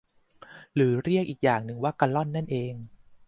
หรือเรียกอีกอย่างหนึ่งว่ากะล่อนนั่นเอง